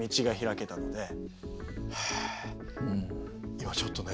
今ちょっとね